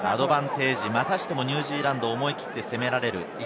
またしてもニュージーランドを思い切って攻められる。